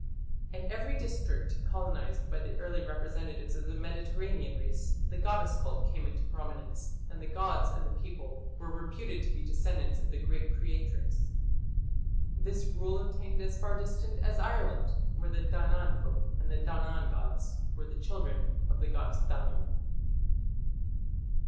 In every district colonized by the early representatives of the Mediterranean race, the goddess cult came into prominence, and the gods and the people were reputed to be descendants of the great Creatrix. This rule obtained as far distant as Ireland, where the Danann folk and the Danann gods were the children of the goddess Danu.